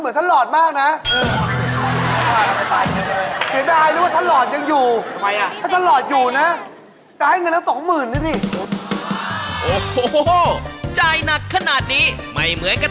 พี่ต้องไปมาใกล้ก่อน